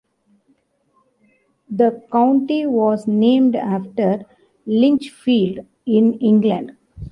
The county was named after Lichfield, in England.